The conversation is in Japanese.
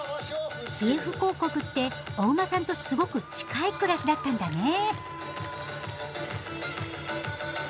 キエフ公国ってお馬さんとすごく近い暮らしだったんだね。